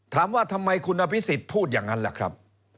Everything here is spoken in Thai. ถามว่าทำไมคุณอภิษฎพูดอย่างนั้นล่ะครับ